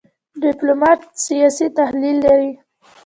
ډيپلومات سیاسي تحلیل لري .